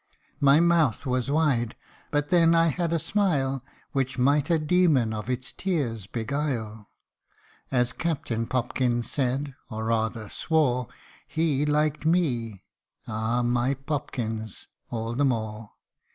My mouth was wide, but then I had a smile Which might a demon of its tears beguile. As Captain Popkins said, or rather swore, He liked me, (ah ! my Popkins !) all the more.